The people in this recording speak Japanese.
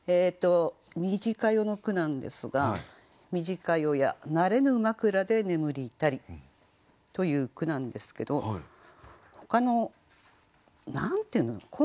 「短夜」の句なんですが「短夜や慣れぬ枕で眠りたり」という句なんですけどほかの何て言うんだろう